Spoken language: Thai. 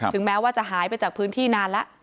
แม้ว่าจะหายไปจากพื้นที่นานแล้ว